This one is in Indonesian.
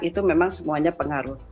itu memang semuanya pengaruh